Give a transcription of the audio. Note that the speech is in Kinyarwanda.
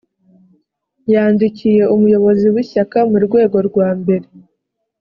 yandikiye umuyobozi w ishyaka mu rwego rwambere